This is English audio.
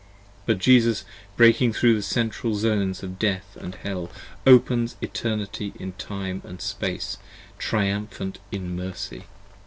But Jesus breaking thro' the Central Zones of Death & Hell Opens Eternity in Time & Space: triumphant in Mercy.